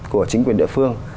của chính quyền địa phương